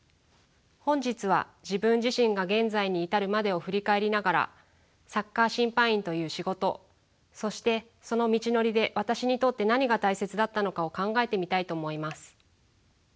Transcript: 本日は自分自身が現在に至るまでを振り返りながらサッカー審判員という仕事そしてその道のりで私にとって何が大切だったのかを考えてみたいと思います。